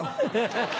ハハハ。